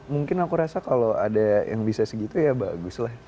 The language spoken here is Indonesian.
mungkin aku rasa kalau ada yang bisa segitu ya bagus lah